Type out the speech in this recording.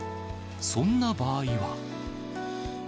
そんな場合は。